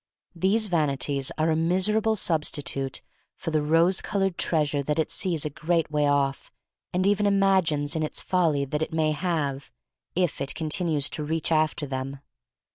These vanities are a miserable substitute for the rose col ored treasures that it sees a great way off and even imagines in its folly that it may have, if it continues to reach after them.